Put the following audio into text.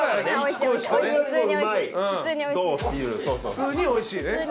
普通においしいね。